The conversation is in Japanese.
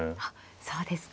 そうですか。